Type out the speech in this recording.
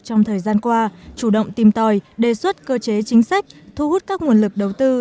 trong thời gian qua chủ động tìm tòi đề xuất cơ chế chính sách thu hút các nguồn lực đầu tư